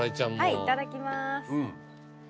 はいいただきます。